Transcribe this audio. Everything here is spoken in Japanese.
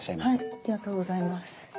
ありがとうございます。